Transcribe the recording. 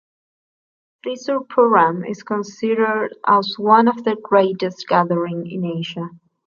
Thrissur Pooram is considered as one of the greatest gathering in Asia.